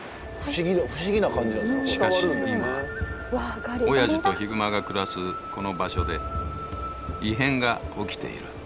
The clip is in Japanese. しかし今おやじとヒグマが暮らすこの場所で異変が起きている。